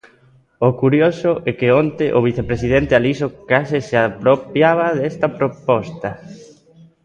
O curioso é que onte o vicepresidente Alixo case se apropiaba desta proposta.